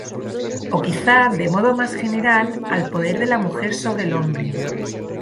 O quizá, de modo más general, al poder de la mujer sobre el hombre.